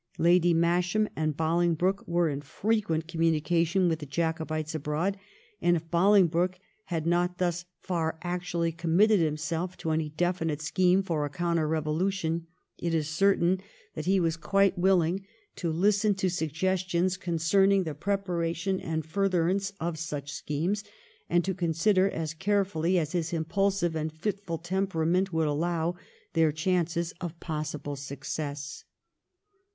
Lady Masham and Bolingbroke were in frequent 266 THE REIGN OF QUEEN ANNE. ch. xxxm. communication with the Jacobites abroad, and if Bolingbroke had not thus far actually committed himself to any definite scheme for a counter revolu tion, it is certain that he was quite willing to listen to suggestions concerning the preparation and fur therance of such schemes, and to consider, as care fully as his impulsive and fitful temperament would allow, their chances of possible success.